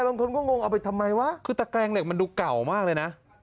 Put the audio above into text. บางคนก็งงเอาไปทำไมวะคือตะแกรงเหล็กมันดูเก่ามากเลยนะ